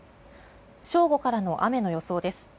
正午からの雨の予想です。